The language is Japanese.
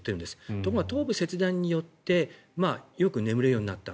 ところが頭部切断によってよく眠れるようになった。